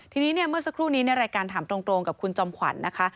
ทีนี้เนี่ยเมื่อสักครู่นี้ในรายการถามตรงกับคุณจอมขวัญนะคะ